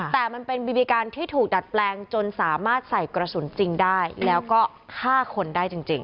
แต่มันเป็นบีบีกันที่ถูกดัดแปลงจนสามารถใส่กระสุนจริงได้แล้วก็ฆ่าคนได้จริง